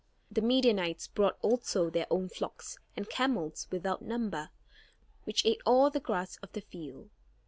The Midianites brought also their own flocks and camels without number, which ate all the grass of the field.